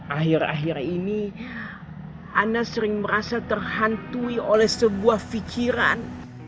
akhir akhir ini ana sering merasa terhantui oleh sebuah pikiran